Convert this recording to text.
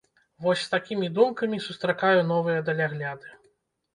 Вось з такімі думкамі сустракаю новыя далягляды.